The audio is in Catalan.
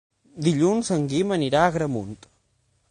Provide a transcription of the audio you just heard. Dilluns en Guim anirà a Agramunt.